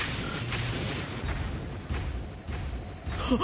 あっ。